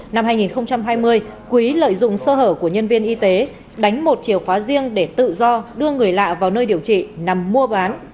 năm hai nghìn hai mươi quý lợi dụng sơ hở của nhân viên y tế đánh một chìa khóa riêng để tự do đưa người lạ vào nơi điều trị nằm mua bán